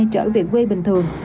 trở về quê bình thường